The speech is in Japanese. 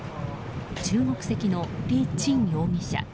中国籍のリ・チン容疑者。